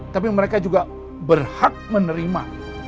tapi mereka juga berhak menerima